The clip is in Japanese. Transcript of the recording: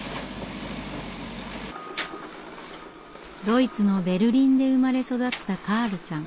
ドイツのベルリンで生まれ育ったカールさん。